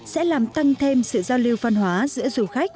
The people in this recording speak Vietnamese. sẽ làm tăng thêm sự giao lưu văn hóa giữa du khách